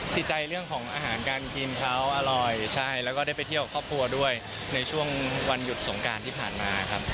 ติดใจเรื่องของอาหารการกินเขาอร่อยใช่แล้วก็ได้ไปเที่ยวกับครอบครัวด้วยในช่วงวันหยุดสงการที่ผ่านมาครับ